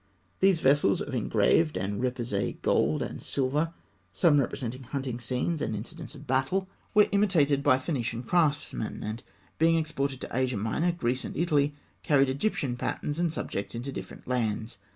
These vessels of engraved and repoussé gold and silver, some representing hunting scenes and incidents of battle, were imitated by Phoenician craftsmen, and, being exported to Asia Minor, Greece, and Italy, carried Egyptian patterns and subjects into distant lands.